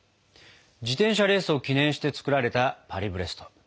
自転車レースを記念して作られたパリブレスト。